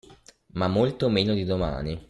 Ma molto meno di domani.